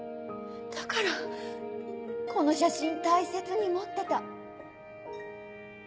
だからこの写真大切に持ってた。